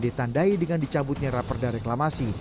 ditandai dengan dicabutnya raper dari reklamasi